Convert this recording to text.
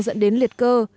đang dẫn đến liệt cơ